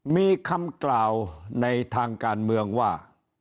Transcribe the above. มีคำกล่าวในทางการเมืองว่า